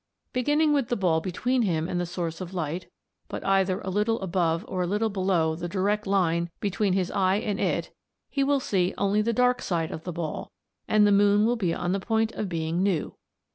Beginning with the ball between him and the source of light, but either a little above, or a little below the direct line between his eye and it, he will see only the dark side of the ball, and the moon will be on the point of being "new."